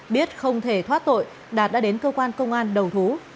biết không thể thoát tội đạt đã đến cơ quan công an đầu thú